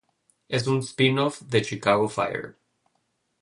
Es un spin-off de "Chicago Fire".